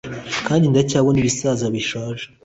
kandi ndacyabona 'ibisaza bishaje